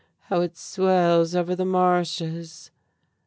how it swells over the marshes!"